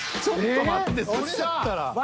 ちょっと待ってそれやったら。